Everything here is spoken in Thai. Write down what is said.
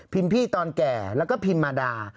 พี่ตอนแก่แล้วก็พิมมาดา